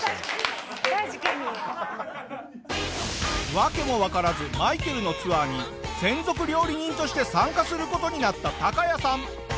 訳もわからずマイケルのツアーに専属料理人として参加する事になったタカヤさん。